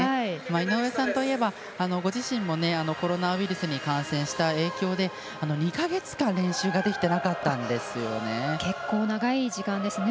井上さんといえばご自身も、コロナウィルスに感染した影響で２か月間、練習ができていなかったんですよね。